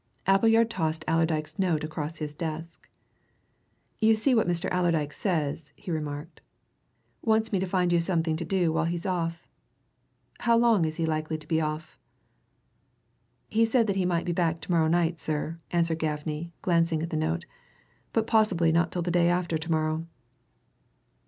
Appleyard tossed Allerdyke's note across his desk. "You see what Mr. Allerdyke says," he remarked. "Wants me to find you something to do while he's off. How long is he likely to be off?" "He said he might be back to morrow night, sir," answered Gaffney, glancing at the note. "But possibly not till the day after to morrow."